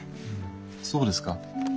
そうですか。